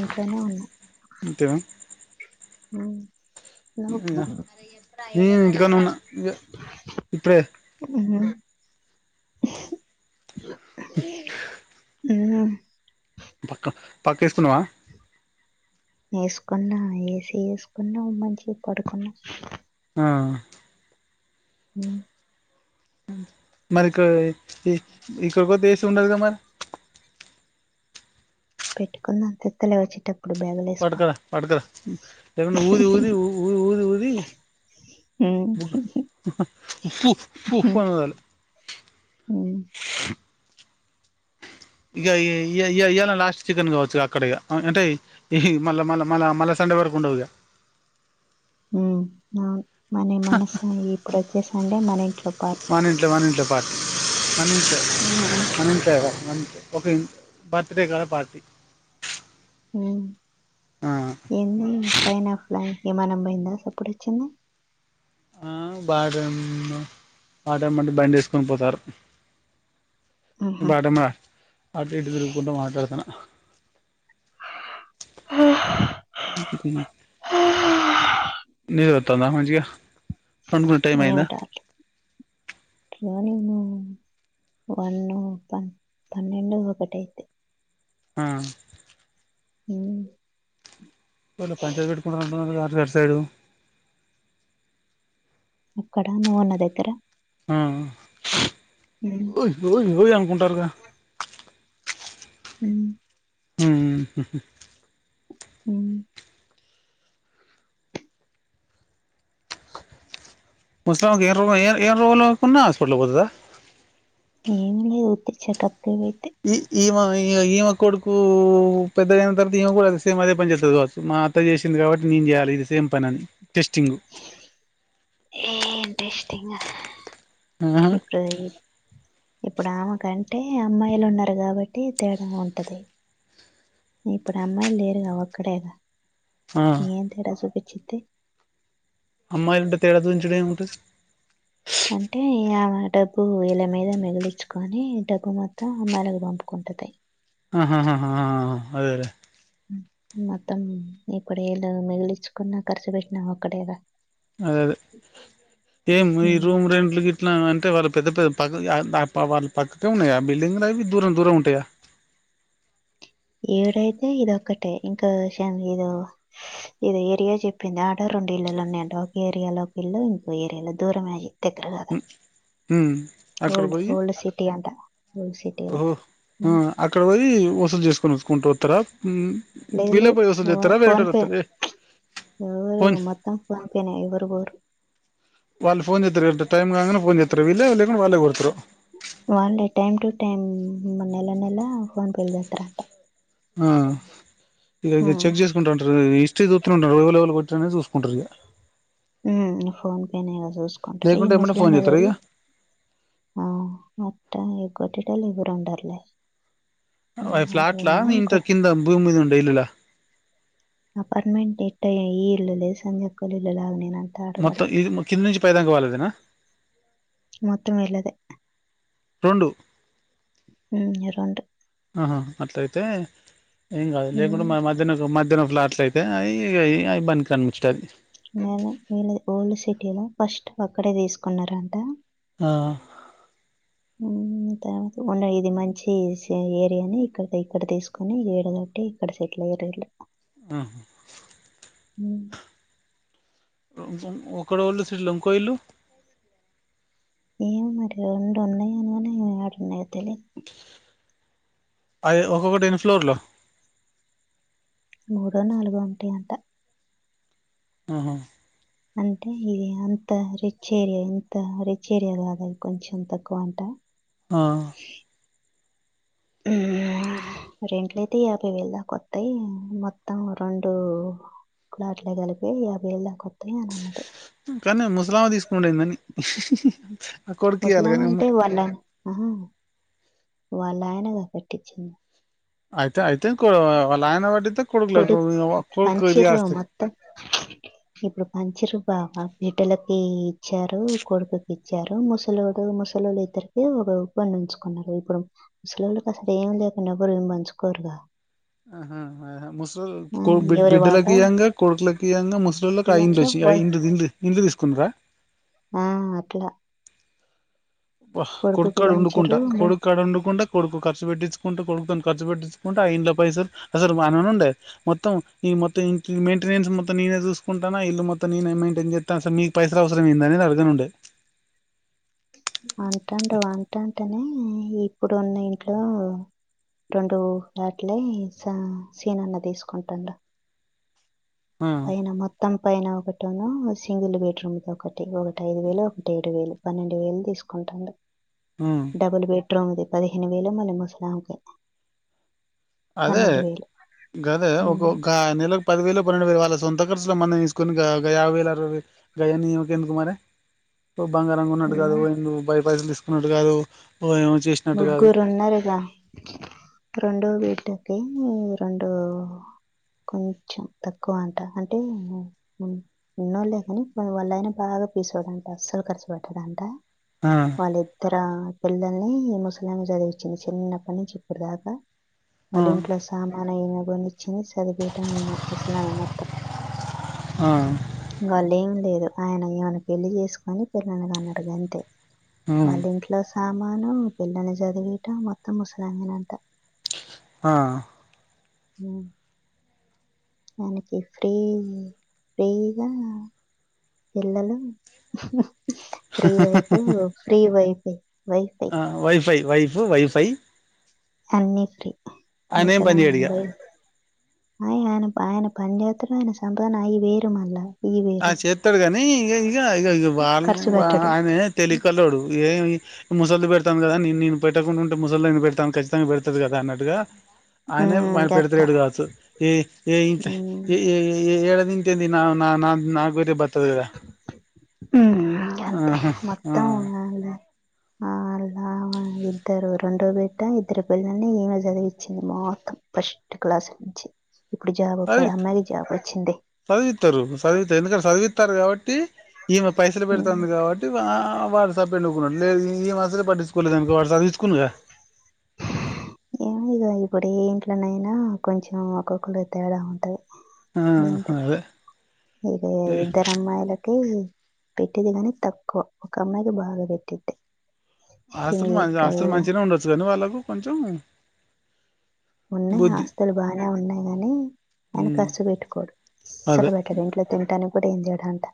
ఇంట్లోనే ఉన్నా అంతేనా ఉ నోట్లో ఇ ఇంటికాడనే ఉన్న ఈగ ఇప్పుడే ఉ ఉ హ పక్క పక్కేస్కున్నవా ఏస్కున్నా ఏసీ ఏస్కున్నాం మంచిగ పడుకున్నం ఆఁ ఉమ్ మరి ఇక్కడె ఏ ఇక్కడ్పోతే ఏసీ ఉండదుగ మర్ పెట్కున్నా అంతత్తలే వచ్చేటప్ పట్కోరా పట్కోరా ఎకన్న ఊది ఊది ఊ ఊ ఊది ఊదీ ఉమ్ ఉప్ఫూ ఉఫ్ఫు ఉఫ్ఫని వదులు ఊఁ ఇగ ఈ ఈయ ఇయాళ లాస్ట్ చికెన్ గావచ్చు అక్కడ ఇగ అంటే ఈ మళ్ళ మళ్ల మ మళ స లెవర్ కుండవిగా ఊఁ ఔన్ మనీ మనసాయ్ ఇప్పుడొచ్చే సండే మన ఇంట్లో పార్ట్ మనీంటే మనీంతేయ్ రా మనింతే ఒక బర్త్డే గల పార్టీ ఊఁ ఆ ఇయన్నీ పైనాపిలాయ్ ఇమానం బోయిందా సప్పుడొచ్చింది ఆ బాట బాట ఎమ్మటే బండేస్కొని పోతారు ఆహా బాటెమా అటు ఇటు తిరుగుకుంట మాట్లాడ్తన్నా ఆఁ హే నిద్ర వస్తుందా మంచిగ పన్కునె టైమ్ ఐందా అట్లో నేనూ వన్నూ ప పన్నెండూ ఒకటైంది ఆఁ ఊఁ కోట్లొ పంచాయతి పెట్కుంట అంటున్నార్గా గట్ సైడు అక్కడా నువ్వొన్న దెగ్గరా ఆఁ ఆఁ ఊయ్ ఊయ్ ఓయ్ అనుకుంటారుగా ఊఁ ఊ ఊ హు హూ ఊఁ ముస్లాంకు ఏ రోగం ఏ ఏ రోగులోకున్నా ఆస్పటల్ పోతదా ఏం లేదు వుత్తి చెకప్ ఇ ఈమాయి ఇగ ఈమ కొడుకూ పెద్దగైన తర్వాత ఈమె కూడా సేమ్ అదే పని చేత్తది గావచ్చు మా అత్త జేసింది కాబట్టి నే జేయాలి ఇది సేమ్ పననీ టెస్టింగు ఏ ఇంట్రెస్టింగ్ ఆహా ఇప్పుడదీ ఇప్పుడ్ ఆమ కంటే అమ్మాయిలున్నరు గాబట్టి తేడా ఉంటది ఇప్పుడు అమ్మాయిల్లేరుగా ఒక్కడేగా ఆ ఏం తేడా సూపిచ్చిద్దీ అమ్మాయ్లుంటే తేడా చూయించుడేమైతది డబ్బూ ఈళ్ళ మీద మిగిలిచ్కోనీ డబ్బు మొత్తం అమ్మాయిలకు పంపుకుంటది అహ్ అహ్ ఆఁ అదేలేే మొత్తం ఇప్పుడేలు మిగిలిచ్కున్నా కర్చు పెట్నా ఒక్కడేగా అదే అదే ఏం ఈ హ్మ్ రూమ్ రెంట్లు గిట్నా అంటే వరద్ పెద్ద పెద్ద పగ్ యా ఆ వాళ్ళ పక్కకే ఉన్నయా బిల్డింగ్లు అవి దూరం దూరం ఉంటయా ఏడైతే ఇదొక్కటే ఇంకో ఇషయం ఇదో ఎదో ఏరియ చెప్పింది ఆటో రొండి పిల్లలున్నయ్ అంట ఒకే ఏరియాలో ఒకిల్లూ ఇంకో ఏరియాలో దూరంమే అయి దెగ్గర గాదు ఊఁ ఓల్డ్ ఓల్డ్ సిటీి అంటా ఓల్డ్ సిటీలో ఓహో ఆ హ్మ్. అక్కడ పోయి వసూలు చేసుకొని వచ్చుకుంటాస్తారా ఉ లేదు పల లేదు బయ వసలు ఓ ఇతార ఫోన్ పే బేరటరుతార ఎవరు మొత్తం ఫపేనే ఎవరు పోరు వాళ్ళ ఫోన్ చేత్తు టైం కా పోన్ చేత్తుారు వెళ్లేళ్లేకుని వాళ్లే కొడుతురు వాళ్ళే టైమ్ టు టైమ్ నెల నెల ఫోన్ పేలు చేస్తారంట ఆ ఇక ఇ హ్మ్. చెక్ చేసుకుంటాంటారు చూసుకుంట ఫోన్ పేనే జస్ క ఈ లేకుంటే ఎమ్మటే మసలా ఫోన్ చేస్తారా నవరి ఇగ అ ఎ లే ంట అ ఫ్లాట్లా ఇంత కింద భూమి మీ ఉండ ఇల్లులా అపార్ంటమెంట్ ఇట్ట ఈ ఇల్లలే సంధ్యకులి ఇల్ల ఆగ్ న నా మొత్తం ఇది కింద నుంచి పై దాంకవాలదేనా మొత్తం వెళదే రండు ఇరుంట ఆహా అట్లయితే ఏం కాదు లేకుండా ఉమ్ మ మధ్యాహ్న మధ్య ఇద్దరు ఫ్లాట్లు అయితే అవి అవి బని కనిపించది న వళ్ళ ఓల్డ్ సిటీ లో ఫస్ట్ అక్కడే తీసుకున్నారంట ఆ తర్వాత ఉన్న ఇది మంచి ఏరియాని ఇక్కడ ఇక్కడ తీసుకుొని ఇది వడదొటి క్కడ సైట్ల ఇరు ఆా అ ఒకక్కడ వాళ్ళు శ్రీ లంకా ఇలు ఏం మరి రెండు ఉన్నాయ అనుగానేమయాడున్నాయ తెలి అ ఒక్కక్కటి ఎేన్ని ఫ్లోర్లో మూడో నాలుగో ఏంటిటి అంట ఆహా అంటే ఇది అంత రిచ్ ఏరియా ఇంత రిచ్ ఏరియా కాదది కొంచెం తక్కువ అంట ఆ ఉ రెంట్లయితే యాభై వేళ కొత్తాయి మొత్తం రెండు లాట్లే కలిపి యాభై ఏళ్ళ దాకా వస్తా అని అన్నది కానీ ముస్లామా తీసుకుంటయిందన్ని ముస్లామా అంట వల్ల వాళ్ళ ఆయనగా కట్టించిింది అయితే అయితే లానా వాటితే కొడుకులే కొడుకు కొదిస్త ఏ ప్రఫ బాబా బిడ్డలకి ఇచ్చారు కొడుకుకి ఇచ్చారు ముసలుడు ముసలుళ్ళ ఇద్దరికి ఉపందించుకున్నారు ఇప్పుడు సలవుకి అసలు ఏం లేకుండా గురుం పంచుకోరుగా ఆహా ముస్ ఆ, బిడ్ ఎవరి బిడ్డలలకు వాటా ఇవ్వంగా కొడుకులకి ఇవంగా ముసలిళ్ళకి ఆ ఇం ఇయ్యంగా వచ్చి బ- ఆ ఇ ఇల్లు ఇలు తీసుకున్నరా ఆ అట్లా కొడుకుకు కొడుక్కడు వండుకుంటా పంచిర్రు కొడుక్కడు వంకుంటే కొడుక్కు ఖర్చు పెట్టించుకుంటే కొడుకు ఖర్చు పెట్కుంటే ఆ ఇంట్లో పైసలు అసలు ఉండే మొత్తం మొత్తం మెనెన్స్ మొత్తం నేనే చూసుకుంటానా ఇల్లు మొం నేనే మెయింటైన్ చేస్తానుస మీకుైస అవసరంందిందనేది అడిగాన ఉండే వంట వంట అంటేనే ఇప్పుడు ఉన్న ఇంట్లో రెండు వాట్లే స సీనాన్న తీసుకుంటాండు ఆ పైన మొత్ త్తం పైన ఒకటోనో సింగిల్ బెడ్ రూమ్ ది ఒకటి ఒకటి ఐదు వేలు ఒకటి ఏడు వేలు పన్నెండు వేలు తీసు కుంటాడు ఆ డబుల్ బెడ్రూమ్ది పదిహేను వేలు మళ్ళీ ముసలామకే అదే గదే ఒక ఉమ్ గ నెలకి పది వేలు పనేండు వేలు వాళ్ళసు తొంతా ఖర్చుల మందం తీసుకొని గ యాభై వేలు అరవై వేలు గఅయాన్ని ఈమెకు ఎందుకు మారే ఓ బంగారం కొన్నట్టు కాదు ఏమో, నువ్ ఓయ్ బై పైసలు తీసుకున్నట్టు కాదు ఓ ఏమో చేసినట్టు కాదు ముగ్గురు ఉన్నారుగా రెండో వీట్ టోకే ఈ రెండు కొంచెం తక్కువ అంట అంటే ఉన్నోళ్ళలే కానీ కొ వాళ్ళ అయినా బాగా కోర్ పిసోదంట అస్సలు ఖర్చు పెట్టదంట ఆ వాళ్ళ ఇద్దర పిల్లల ని ముసలమే చదివి ఇచ్చింది చిన్నఅప్పటినుంచి ఇప్పుడు దాకా ఆ వాళ్ళ ఇంట్లో సా తాన ఈమె బోనిచ్చింది చదివిపియటం నేను ముసలామే మొత్తం ఆ వాళ్ళు ఏం లేదు ఆయన ఈమెను పెళ్లి చేసుకొని పిల్లను కన్నాడు గంతే ఉమ్ వాళ్ళింట్లో సామాను పిల్లని చదివియటం మొత్తం ముసలామే నంట ఆ ఉ మనకి ఫ్రీ ఫ్రీగా పిల్లలు ఫీ వైఫ్ ఫీ వైఫ్ తే వైఫై ఆ వైఫై వైఫ్ వైఫై అన్ని ఫ్రీ ఆయన ఏం పని ముసలాం చేయడు ఇగ మొబైల్ అయి ఆయన ఆయన పని చేత్తడు ఆయన సంపాదన అయి వేరు మళ్ళా ఈ వేరు ఆ చెత్తడు కానీ ఇక ఇక ఇక వాళ్ళ ఖర్చు పెట్టడు ఆయన తెలివి కల్లోడు ఏమి ఇప్పుడు ముసల్ది పెడతాను కదా నే నేను పెట్టకుండా ఉంటే ముసలి దానికి నేను పెడాను ఖచ్చితంగా పెడతది కదా అన్నట్టుగా ఆయన ఉమ్ ఆయన గట్ట పెడుతలేడు కావచ్చు ఏ ఏ ఇంకా ఉమ్ ఏ ఏ ఏడా ఏ ఇంకేంది నా నా నాకు వేటే బతుకుతాది కదా ఆహా ఆ ఆల్ అ ఆ ఇద్దరు రెండో బేట ఇద్దరు పిల్లల్ని ఈమె చదివిచ్చింది మొత్తం ఫస్ట్ క్లాస్ చి సవిత్ చదివితారు సదివిత ఎందుకంట చదివితారు కావట్ టి ఈమె పైసలు పెడుతాంది కాబట్టి వా ఆ వాడుసబ్ ఎందుకు ఉన్నాడు లేదు ఈమె అసలే పట్టించుకోలేదు అనుకో వాడు చదివించుకోను కదా ఏమో ఇగ ఇప్పుడు ఏ ఇంట్లోనయినా కొంచెం ఒక్కొక్కలు తేడా ఉంటది ఆహ అదే ఏ గయా ఇద్దరు అమ్మాయిలకు అంటే పెట్టేది కానీ తక్కువ ఒక అమ్మాయికి బాగా పెట్టేటు ఆస్తులు మంచి ఆస్తులు మంచిగా ఉండొచ్చు కానీ వాళ్ళకు కొంచెం ఉన్నాయి బుద్ధి ఆస్తులు బాగానే ఉన్నాయి గానీ ఆయన ఉమ్ ఖర్చు పెట్టుకోడు అసలు అదే పెట్టాడు ఇంట్లో తినంటానికి కూడా ఏం తేడు అంట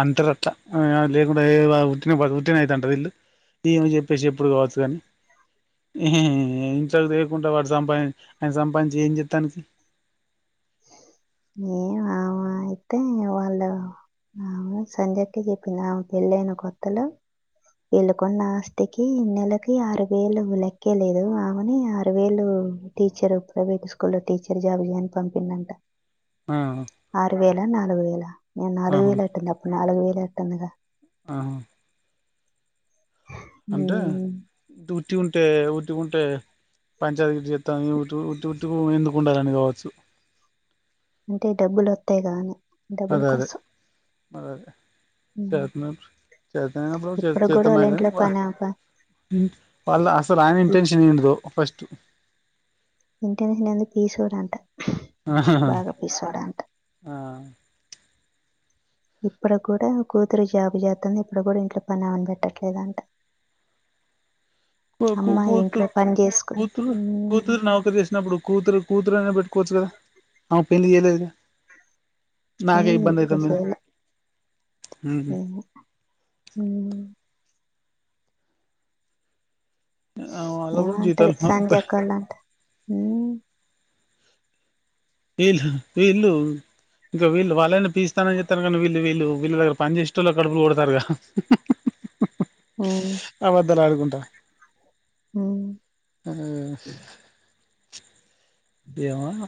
అంటారు అట్లా ఆమె లేకుంటే ఏ ఉట్టిగానె బతుకు ఉట్టిగానే అయ్యిథాంటద నా ఇల్లు దేవుని చెప్పే చెప్పుడు కావచ్చు కానీ ఏహే ఇంట్లకు తేకుండా వాడు సంపాదించి ఆయన సంపాదించి ఏం చేస్తాండు అసలు ఏం ఆమా అయితే వాళ్ళ నావు సంధ్య అక్క చెప్పింది ఆమె పెళ్ళైన కొత్తల వీళ్ళు కొన్న ఆస్తికి నెలకి ఆరు వేలు లెక్కే లేదు ఆమెని ఆరు వేలు ఓ టీచర్ ప్రైవేట్ స్కూల్లో లో టీచర్ జాబ్ చెయ్ అని పంపిందంట ఆ మూడువేల నాలుగు వేల నేను నాలుగు ఆహా వేల ఎత్తాండె అప్పుడు నాలుగు వేలు ఎత్తాన్నెగా ఆ అంటే ఉమ్, దుతి ఉంటాయి ఉత్తవి ఉంటాయి పంచాయతీ చేత్త ఈ ఉట్టి ఉట్టీ [unintelligible] ఎందుకు ఉండాలని గావచ్చు అంటే డబ్బులు ఒత్తాయి గా అనీ డబ్బుల కోసం అదాదే ఉమ్. చేతనప్పు చేత అయినప్పుడు ఇప్పుడు కూడా చేత్తన వాళ్ళ గానీ ఇంట్లో వ పని పని వాళ్ళ అసలు ఆయన ఇంటెన్షన్ ఏంటిదో ఫస్టు ఇంటెషన్ ఏంది పీసోడు అంట బాగా పీసోడ్ అంట ఆ ఇప్పుడు కూడా కూతురు జాబ్ జెత్తాంది ఇప్పుడు గూడా ఇంట్లో పనిఆమెని బెట్టట్లేదంట [inaudible] ఒక కూతురు కూతురు కూతురు ఉమ్, కూతురు నౌకరి చేసినప్పుడు కూతురు కూతురైనా బెట్ బెట్టు కొవచ్చు కదా ఆ పెళ్లి చేయలేదులే ఏ నాకే ఇబ్బందయితందని అవున మ్మ్ వాళ్ళ ఆ కూడా అంటే జీతాలు సంధ్య అక్కొలంటా వీళ్ వీళ్ళు ఇంకా వీళ్ళు వాళ్ళైనా పీస్ తనం జెత్తరు గానీ వీళ్ళు వీళ్ళు వీళ్ళ దగర పని జేసెటోళ్ల కడుపులు కొడతరుగా ఉమ్, ఆపద్దలాడుకుంటా ఉమ్, అదే ఎమో నా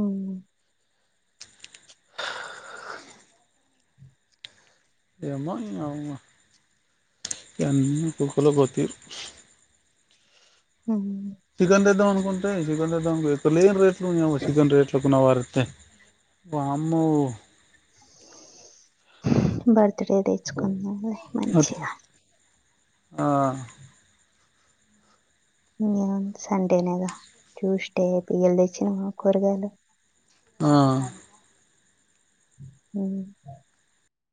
అవున [unintelligible] ఏందో నీ యామ్మ ఇగ అన్ని [unintelligible] పొత్తు ఉమ్. చికెన్ తెద్దామనుకుంటే చికెన్ తేద్దమానుకో ఎక్క లేని రేట్లు నీ యావ్వ చికెన్ రేట్లు కొన్నవారే వామ్మో బర్త్ డే కీ తెచ్చుకుందాం లే అట్లా మంచిగా ఆ నిన్న సండేనేగా ట్యూషన్ టైం అప్పుడు వెళ్ళి తెచ్చినవా కూరగాయలు ఆ మ్మ్